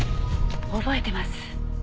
覚えてます。